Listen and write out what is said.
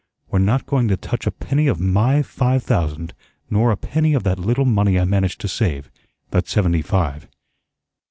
We're not going to touch a penny of my five thousand nor a penny of that little money I managed to save that seventy five."